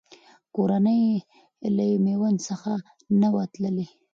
کورنۍ یې له میوند څخه نه وه تللې.